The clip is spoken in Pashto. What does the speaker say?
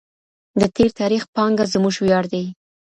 د تېر تاریخ پانګه زموږ ویاړ دی.